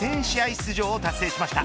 出場を達成しました。